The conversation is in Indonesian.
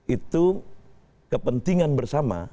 itu kepentingan bersama